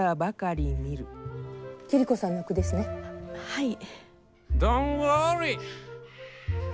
はい。